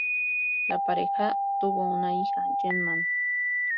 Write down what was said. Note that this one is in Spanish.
La pareja tuvo una hija, Jenn Mann.